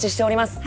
はい。